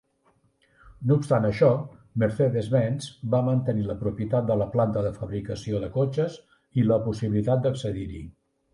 No obstant això, Mercedes-Benz va mantenir la propietat de la planta de fabricació de cotxes i la possibilitat d'accedir-hi.